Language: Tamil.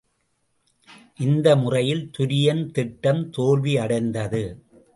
இந்த முறையில் துரியன் திட்டம் தோல்வியடைந்தது.